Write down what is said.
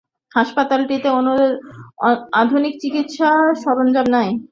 হাসপাতালটিতে আধুনিক চিকিৎসা সরঞ্জাম নেই।